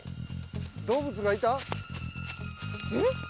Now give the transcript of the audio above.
動物がいた？